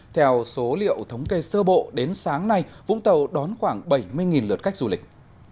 theo số liệu thống kê sơ bộ đến sáng nay vũng tàu đón khoảng bảy mươi lượt khách du lịch